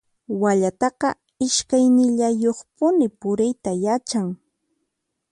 Wallataqa iskaynillayuqpuni puriyta yachan.